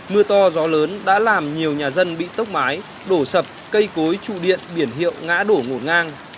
mưa to gió lớn đã làm nhiều nhà dân bị tốc mái đổ sập cây cối trụ điện biển hiệu ngã đổ ngổ ngang